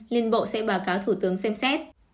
liên bộ sẽ báo cáo thủ tướng xem xét